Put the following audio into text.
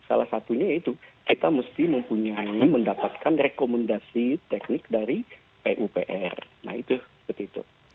salah satunya itu kita mesti mempunyai mendapatkan rekomendasi teknik dari pupr nah itu begitu